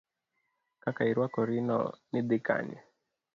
Kaka irwakorino ni dhi kanye.